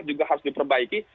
juga harus diperbaiki